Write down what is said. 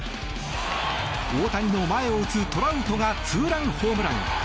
大谷の前を打つトラウトがツーランホームラン。